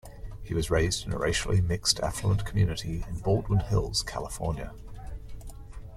He was raised in a racially mixed affluent community in Baldwin Hills, California.